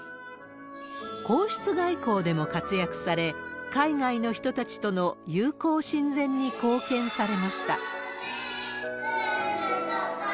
皇室外交でも活躍され、海外の人たちとの友好親善に貢献されました。